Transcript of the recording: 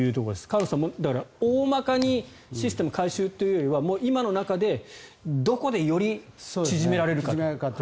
河野さん、だから大まかにシステム改修というよりは今の中でどこでより縮められるかと。